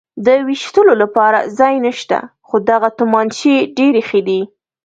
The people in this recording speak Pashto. د وېشتلو لپاره ځای نشته، خو دغه تومانچې ډېرې ښې دي.